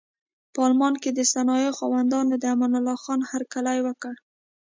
په المان کې د صنایعو خاوندانو د امان الله خان هرکلی وکړ.